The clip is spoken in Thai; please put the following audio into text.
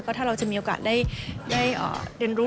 ก็ถ้าเราจะมีโอกาสได้เดินรุก